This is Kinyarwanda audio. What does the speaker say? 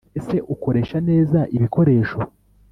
Ese ukoresha neza ibikoresho